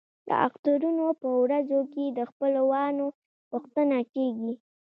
د اخترونو په ورځو کې د خپلوانو پوښتنه کیږي.